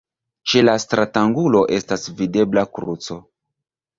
Ĉe la stratangulo estas videbla kruco.